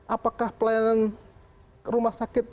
apakah pelayanan rumah sakit